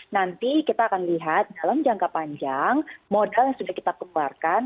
nanti kita akan lihat dalam jangka panjang modal yang sudah kita keluarkan